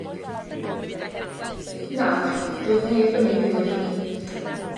Nawr doedd neb yn ei dilyn hi.